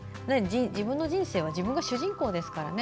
自分の人生は自分が主人公ですからね。